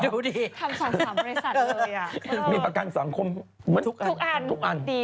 ทำ๒๓บริษัทเลยอ่ะมีประกันสังคมเหมือนทุกอันดีมาก